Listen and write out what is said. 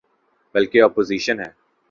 بلکہ اپوزیشن ہے۔